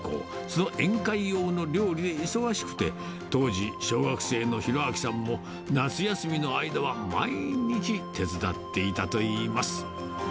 その宴会用の料理で忙しくて、当時、小学生の宏明さんも、夏休みの間は毎日手伝っていたといいます。